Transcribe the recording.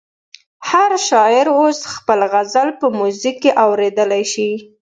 هر شاعر اوس خپل غزل په میوزیک کې اورېدلی شي.